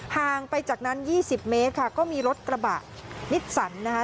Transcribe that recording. ห่างไปจากนั้น๒๐เมตรค่ะก็มีรถกระบะนิสสันนะคะ